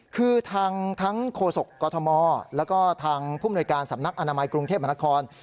คือทั้งโฆษกกฎธมแล้วก็ทางผู้มนวยการสำนักอนามัยกรุงเทพมหานคร